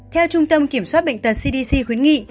theo trung tâm kiểm soát bệnh tật cdc khuyến nghị